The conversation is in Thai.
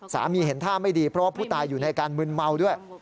สามีเห็นท่าไม่ดีเพราะผู้ตายอยู่ในการมืนเมาด้วย